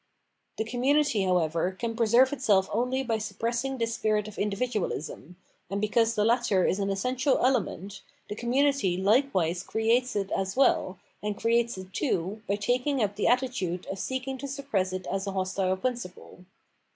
The community, however, can preserve itself only by suppressing this spirit of mdividualism ; and because the latter is an essential element, the community like Guilt and Destiny 475 wise creates it as well, and creates it, too, by taking up tbe attitude of seeking to suppress it as a hostile principle.